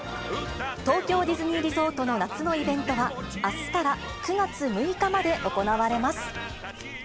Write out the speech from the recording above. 東京ディズニーリゾートの夏のイベントは、あすから９月６日まで行われます。